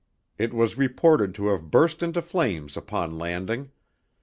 It was reported to have burst into flames upon landing.